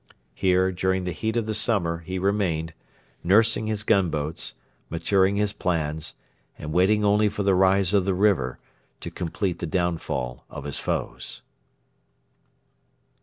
Here during the heat of the summer he remained, nursing his gunboats, maturing his plans, and waiting only for the rise of the river to complete the downfall of his foes.